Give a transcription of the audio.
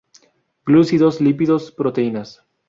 Glúcidos, Lípidos, Proteínas.